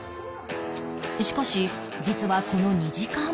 しかし実はこの２時間前